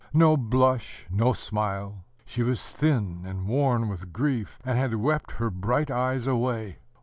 No blush, no smile: she was thin and worn with grief, and had wept her bright eyes away.